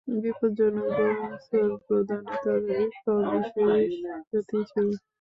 বিপজ্জনক বাউন্সার প্রদানে তার সবিশেষ খ্যাতি ছিল।